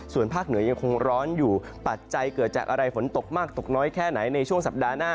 ส่วนภาคเหนือยังคงร้อนอยู่ปัจจัยเกิดจากอะไรฝนตกมากตกน้อยแค่ไหนในช่วงสัปดาห์หน้า